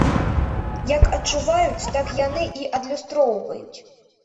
Як адчуваюць, так яны і адлюстроўваюць.